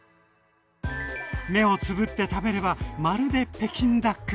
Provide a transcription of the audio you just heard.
目をつぶって食べればまるで北京ダック！